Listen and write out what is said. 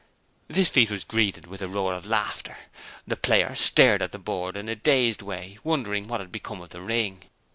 This feat was greeted with a roar of laughter. The player stared at the board in a dazed way, wondering what had become of the ring.